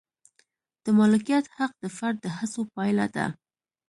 د مالکیت حق د فرد د هڅو پایله ده.